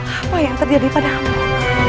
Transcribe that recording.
apa yang terjadi pada aku